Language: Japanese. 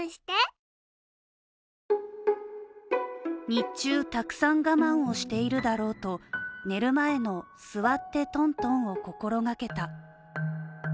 日中たくさん我慢をしているだろうと、寝る前の座ってトントンを心がけた。